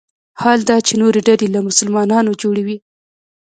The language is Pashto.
حال دا چې نورې ډلې له مسلمانانو جوړ وي.